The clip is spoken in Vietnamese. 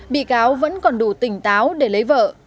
bị cáo vẫn còn đủ tỉnh táo để lấy vợ